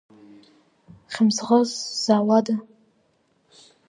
Хьымӡӷыс сзауада?